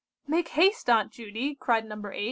"Make haste, Aunt Judy!" cried No. 8.